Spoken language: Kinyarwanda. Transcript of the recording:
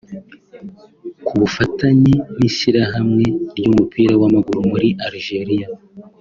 Ku bufatanye n’Ishyirahamwe ry’umupira w’amaguru muri Algeria